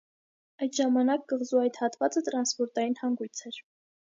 Այդ ժամանակ կղզու այդ հատվածը տրանսպորտային հանգույց էր։